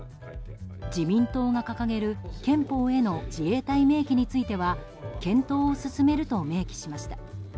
自民党が掲げる憲法への自衛隊明記については検討を進めると明記しました。